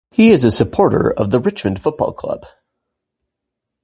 He is a supporter of the Richmond Football Club.